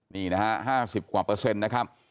นี่นะฮะ๕๐กว่าเปอร์เซ็นต์นะครับ